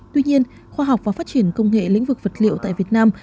tuy nhiên khoa học và phát triển công nghệ lĩnh vực vật liệu tại việt nam